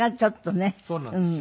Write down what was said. そうなんですよ。